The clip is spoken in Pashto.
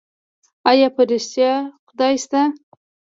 ايا په رښتيا خدای سته؟